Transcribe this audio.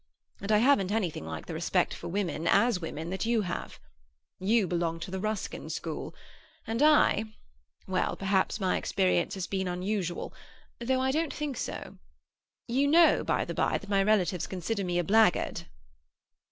And I haven't anything like the respect for women, as women, that you have. You belong to the Ruskin school; and I—well, perhaps my experience has been unusual, though I don't think so. You know, by the bye, that my relatives consider me a blackguard?"